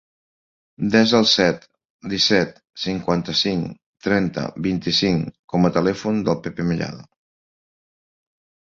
Desa el set, disset, cinquanta-cinc, trenta, vint-i-cinc com a telèfon del Pep Mellado.